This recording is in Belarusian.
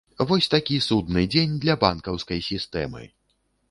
Вось такі судны дзень для банкаўскай сістэмы.